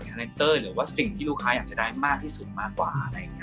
ฮัลไนเตอร์หรือว่าสิ่งที่ลูกค้าอยากจะได้มากที่สุดมากกว่า